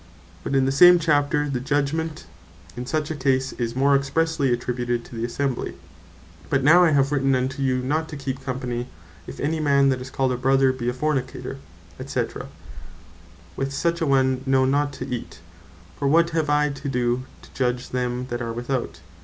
But in the same chapter (ver. 11, 12.) the Judgment in such a case is more expressely attributed to the Assembly: "But now I have written unto you, not to keep company, if any man that is called a Brother be a Fornicator, &c. with such a one no not to eat. For what have I to do to judg them that are without?